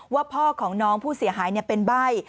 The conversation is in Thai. ว่าพ่อของน้องผู้เสียหายเป็นใบ้